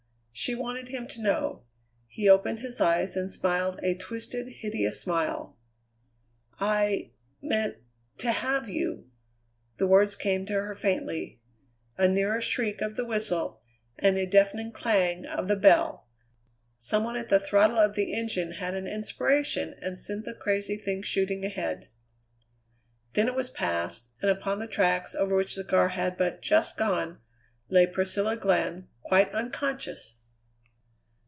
She wanted him to know. He opened his eyes and smiled a twisted, hideous smile. "I meant to have you." The words came to her faintly. A nearer shriek of the whistle, and a deafening clang of the bell! Some one at the throttle of the engine had an inspiration and sent the crazy thing shooting ahead. Then it was past, and upon the tracks over which the car had but just gone lay Priscilla Glenn quite unconscious!